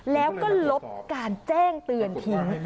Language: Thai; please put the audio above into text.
แล้วก็ลบการแจ้งเตือนทิ้ง